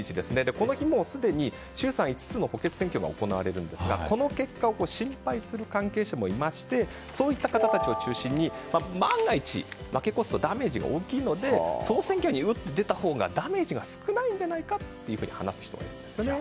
この日、もうすでに衆参５つの補欠選挙が行われるんですが、この結果を心配する関係者もいましてそういった方たちを中心に万が一、負け越すとダメージが大きいので総選挙に打って出たほうがダメージが少ないんじゃないかと話す人がいるんですよね。